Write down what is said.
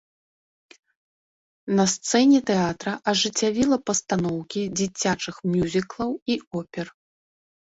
На сцэне тэатра ажыццявіла пастаноўкі дзіцячых мюзіклаў і опер.